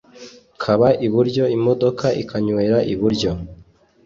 kaba iburyo imodoka ikanywera iburyo